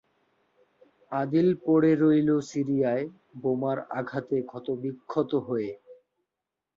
আদিল পড়ে রইল সিরিয়ায়, বোমার আঘাতে ক্ষতবিক্ষত হয়ে।